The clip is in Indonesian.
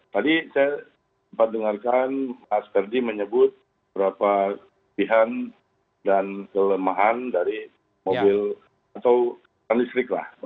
tadi saya sempat dengarkan mas ferdi menyebut berapa pilihan dan kelemahan dari mobil atau listrik lah